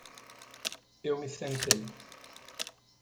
Eu me sentei.